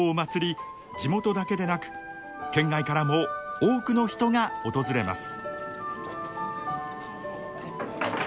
地元だけでなく県外からも多くの人が訪れます。